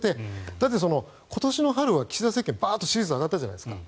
だってこの春は岸田政権バーッと支持率上がったじゃないですか。